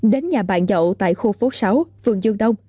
đến nhà bạn dậu tại khu phố sáu phường dương đông